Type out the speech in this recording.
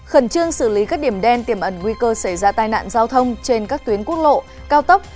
khẩn trương xử lý các điểm đen tiềm ẩn nguy cơ xảy ra tai nạn giao thông trên các tuyến quốc lộ cao tốc